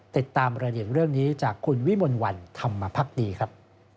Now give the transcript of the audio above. ติดตามระเดียนเรื่องนี้จากคุณวิมนต์วันทำมาพักดีครับ